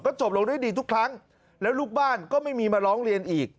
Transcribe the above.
จบลงด้วยดีทุกครั้งแล้วลูกบ้านก็ไม่มีมาร้องเรียนอีก